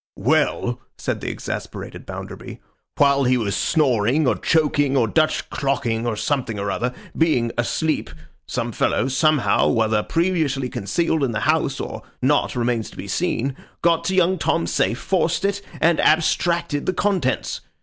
'Well!' said the exasperated Bounderby, 'while he was snoring, or choking, or Dutch clocking, or something or other—being asleep—some fellows, somehow, whether previously concealed in the house or not remains to be seen, got to young Tom's safe, forced it, and abstracted the contents.